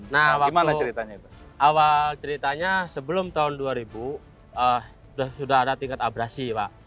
nah awal ceritanya sebelum tahun dua ribu sudah ada tingkat abrasi